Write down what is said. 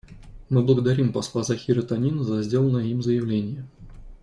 Мы благодарим посла Захира Танина за сделанное им заявление.